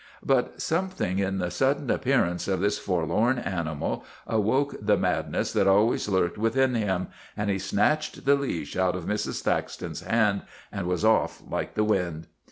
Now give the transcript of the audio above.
But something in the sudden appearance of this forlorn animal awoke the madness that always THE BLOOD OF HIS FATHERS 181 lurked within him, and he snatched the leash out of Mrs. Thaxton's hand and was off like the wind.